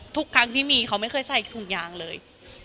ทุกครั้งที่มีเขาไม่เคยใส่ถุงยางเลย